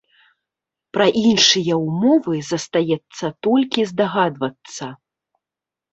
Пра іншыя ўмовы застаецца толькі здагадвацца.